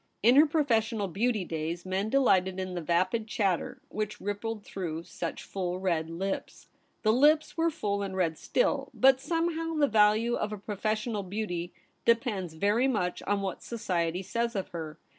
In her professional beauty days, men delighted in the vapid chatter which rippled through such full red lips. The lips were full and red still, but somehow the value of a professional beauty depends very much on what society says of her.